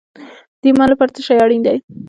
د ایمان لپاره څه شی اړین دی؟